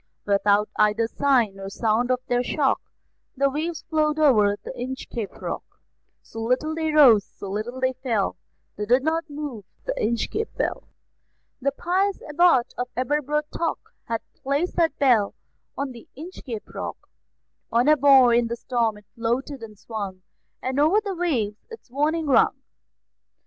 Without either sign or sound of their shock, The waves flowed over the Inchcape Rock; So little they rose, so little they fell, They did not move the Inchcape Bell. The pious Abbot of Aberbrothock Had placed that bell on the Inchcape Rock; On a buoy in the storm it floated and swung, And over the waves its warning rung.